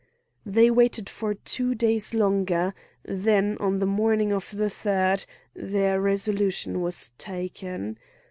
They waited for two days longer; then on the morning of the third, their resolution was taken.